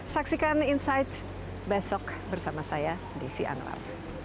saksikan insight besok bersama saya di siang lab